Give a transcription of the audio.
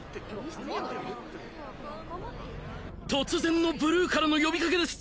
突然のブルーからの呼びかけです